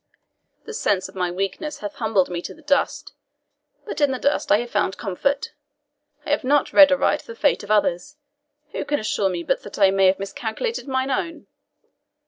The sense of my weakness hath humbled me to the dust; but in the dust I have found comfort! I have not read aright the fate of others who can assure me but that I may have miscalculated mine own?